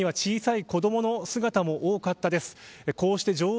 さらには小さい子どもの姿も多かったです。